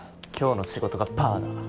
今日の仕事がパーだ。